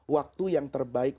waktu yang terbaik